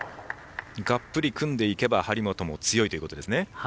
がっぷり組んでいけば張本も強いということですね。